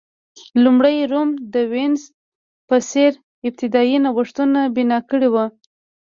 لومړی روم د وینز په څېر ابتدايي نوښتونه بنا کړي وو